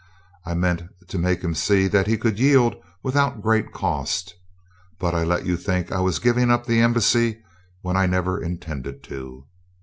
I meant to make him see that he could yield without great cost. But I let you think I was giving up the embassy when I never intended to."